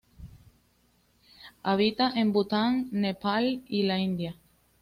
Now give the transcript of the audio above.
Habita en Bután, Nepal y la India.